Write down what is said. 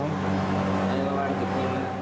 ประมาณ๑๐คนแล้วนะครับ